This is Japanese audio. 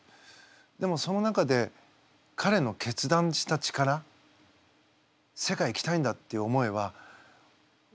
でもその中でかれの決断した力世界行きたいんだっていう思いはだれよりも感じてました。